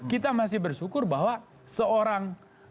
kita masih bersyukur bahwa seorang